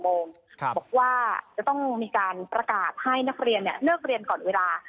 บอกว่าจะต้องมีการประกาศให้นักเรียนเลิกเรียนก่อนเวลา